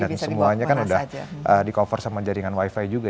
dan semuanya kan udah di cover sama jaringan wifi juga